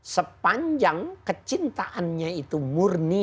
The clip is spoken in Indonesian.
sepanjang kecintaannya itu murni